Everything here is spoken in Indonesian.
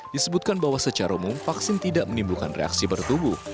disebutkan bahwa secara umum vaksin tidak menimbulkan reaksi bertubuh